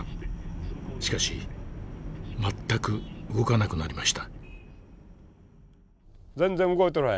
しかし全く動かなくなりました。